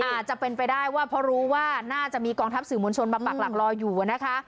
อาจจะเป็นไปได้ว่าเพราะรู้ว่าน่าจะมีกองทัพสื่อมวลชนมาปักหลักรออยู่นะคะ